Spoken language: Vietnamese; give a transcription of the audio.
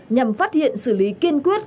nhằm phát hiện xử lý kiên quyết